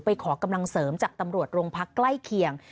ขอกำลังเสริมจากตำรวจโรงพักใกล้เคียง